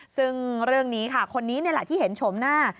ซึ่งเรื่องนี้ค่ะคนนี้นี่แหละที่เห็นชมหน้า